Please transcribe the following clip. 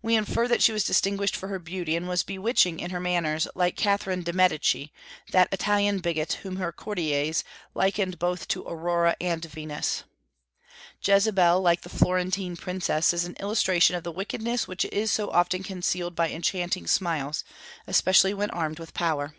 We infer that she was distinguished for her beauty, and was bewitching in her manners like Catherine de' Medici, that Italian bigot whom her courtiers likened both to Aurora and Venus. Jezebel, like the Florentine princess, is an illustration of the wickedness which is so often concealed by enchanting smiles, especially when armed with power.